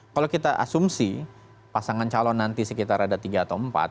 kalau kita asumsi pasangan calon nanti sekitar ada tiga atau empat